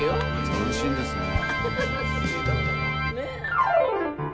斬新ですねえ。